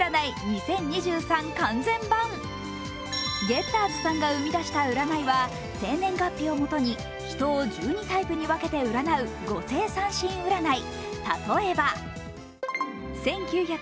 ゲッターズさんが生み出した占いは生年月日をもとに人を１２タイプに分けて占う五星三心占い。